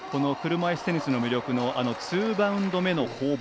車いすテニスの魅力のツーバウンド目の攻防。